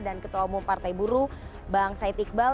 dan ketua umum partai buru bang said iqbal